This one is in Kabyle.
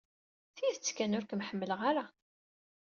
Tidet kan, ur kem-ḥemmleɣ ara.